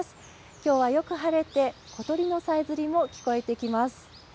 きょうはよく晴れて、小鳥のさえずりも聞こえてきます。